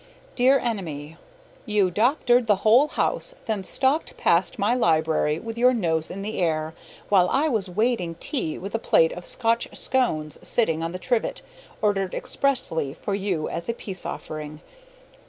Dear Enemy: You doctored the whole house, then stalked past my library with your nose in the air, while I was waiting tea with a plate of Scotch scones sitting on the trivet, ordered expressly for you as a peace offering.